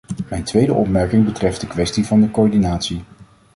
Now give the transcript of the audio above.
Mijn tweede opmerking betreft de kwestie van de coördinatie.